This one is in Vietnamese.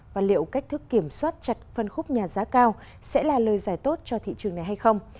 và liệu cách thức kiểm soát chặt phân khúc nhà giá cao sẽ là lời giải tốt cho thị trường này hay không